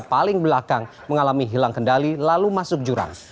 paling belakang mengalami hilang kendali lalu masuk jurang